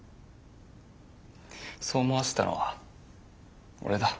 そう思わせたのは俺だ。